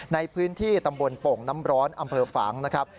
ในพื้นที่ตำบลโป่งน้ำร้อนอำเภอฝังนะครับ